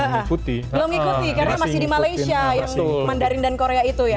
belum ngikuti karena masih di malaysia yang mandarin dan korea itu ya